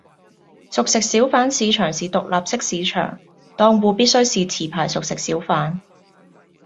熟食小販市場是獨立式市場，檔戶必須是持牌熟食小販